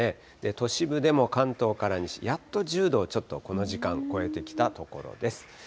都市部でも関東から西、やっと１０度ちょっとこの時間超えてきたところです。